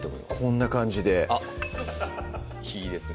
こんな感じであっいいですね